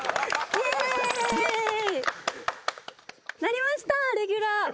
なりましたレギュラー。